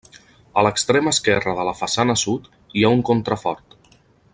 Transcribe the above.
A l'extrem esquerre de la façana sud, hi ha un contrafort.